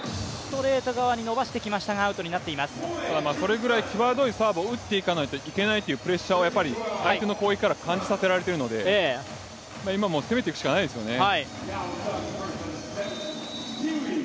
それぐらいきわどいサーブを打っていかないといけないというプレッシャーをやっぱり相手の攻撃から感じさせられてるので今もう攻めていくしかないですよね。